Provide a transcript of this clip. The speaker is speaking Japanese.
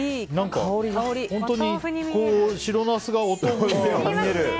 本当に白ナスがお豆腐に見える。